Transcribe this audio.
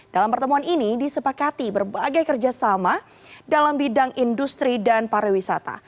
dalam pertemuan ini disepakati berbagai kerjasama dalam bidang industri dan pariwisata